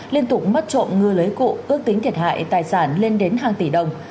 liên tục mất trộm ngư lưới cụ ước tính thiệt hại tài sản lên đến hàng tỷ đồng